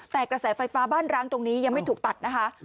แต่กระแสไฟฟ้าบ้านร้างตรงนี้ยังไม่ถูกตัดนะคะ